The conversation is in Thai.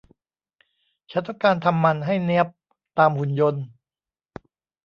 ฉันต้องการทำมันให้เนี๊ยบตามหุ่นยนต์